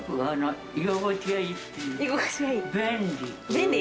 便利。